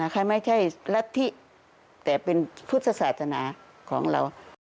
ใครไม่ใช่รัฐธิแต่เป็นพุทธศาสนาของเรา